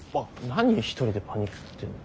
何一人でパニクってんだよ。